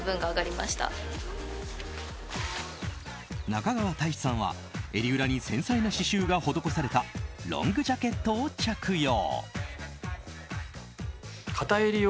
中川大志さんは襟裏に繊細な刺しゅうが施されたロングジャケットを着用。